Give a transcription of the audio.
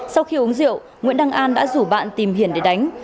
sau khi uống rượu nguyễn đăng an đã rủ bạn tìm hiển để đánh